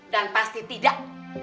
dan pasti tidak